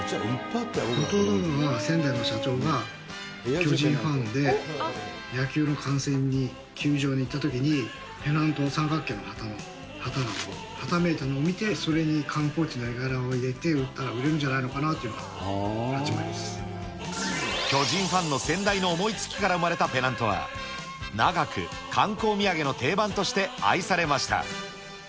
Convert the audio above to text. もともとは先代の社長が巨人ファンで、野球の観戦に球場に行ったときに、ペナントが、三角形の旗がはためいたのを見て、それに観光地の絵柄を入れて売ったら売れるんじゃないかなという巨人ファンの先代の思いつきから生まれたペナントは、長く観光土産の定番として愛されました。